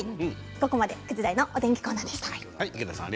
ここまで９時台のお天気コーナーでした。